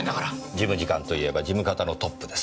事務次官といえば事務方のトップです。